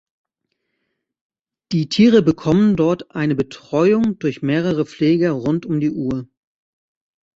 Die Tiere bekommen dort eine Betreuung durch mehrere Pfleger rund um die Uhr.